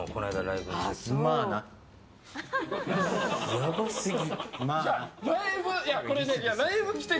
やばすぎ。